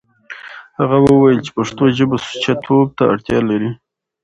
هغه وويل چې پښتو ژبه سوچه توب ته اړتيا لري.